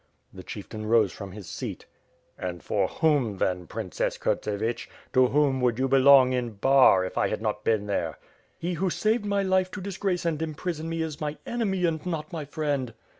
The chieftain rose from his seat. "And for whom then. Princess Kurtsevich? To whom would you belong in Bar, if I had not been there." "He who saved my life to disgrace and imprison me is my enemy and not my friend."